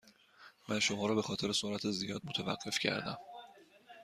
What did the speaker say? من شما را به خاطر سرعت زیاد متوقف کردم.